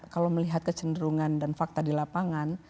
kalau melihat kecenderungan dan fakta di lapangan